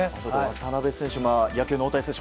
渡邊選手、野球の大谷選手